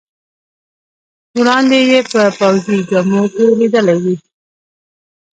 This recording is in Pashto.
وړاندې یې په پوځي جامو کې لیدلی وې.